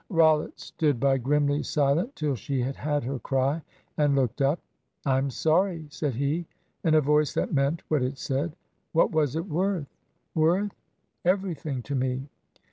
Rollitt stood by grimly silent till she had had her cry and looked up. "I'm sorry," said he, in a voice that meant what it said. "What was it worth?" "Worth? Everything to me."